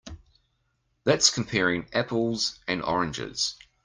That's comparing apples and oranges.